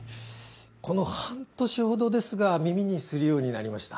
この半年ほどですが耳にするようになりました